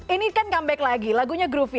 ini kan comeback lagi lagunya groovy